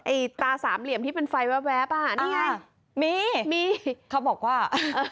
ตราสามเหลี่ยมที่เป็นไฟแวบอ่ะนี่ไงมีมีเขาบอกว่าเออ